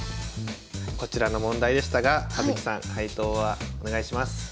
こちらの問題でしたが葉月さん解答はお願いします。